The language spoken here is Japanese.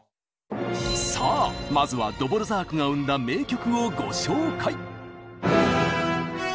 さあまずはドボルザークが生んだ名曲をご紹介！